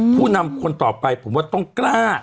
ผู้นำคนต่อไปผมว่าต้องกล้า